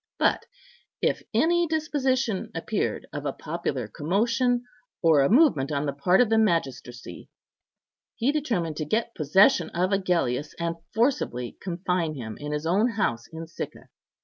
But if any disposition appeared of a popular commotion, or a movement on the part of the magistracy, he determined to get possession of Agellius, and forcibly confine him in his own house in Sicca.